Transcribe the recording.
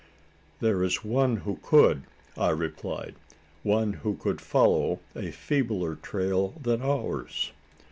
"There is one who could," I replied; "one who could follow a feebler trail than ours."